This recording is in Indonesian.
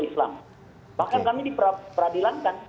islam bahkan kami diperadilankan